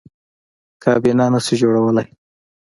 کابینه نه شي جوړولی.